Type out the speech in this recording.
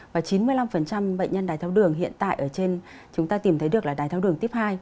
và chín mươi năm bệnh nhân đai tháo đường hiện tại ở trên chúng ta tìm thấy được là đai tháo đường tiếp hai